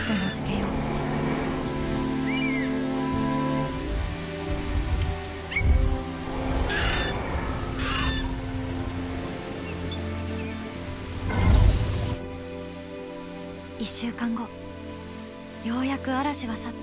ようやく嵐は去った。